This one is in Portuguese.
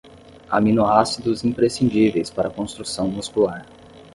Aminoácidos imprescindíveis para a construção muscular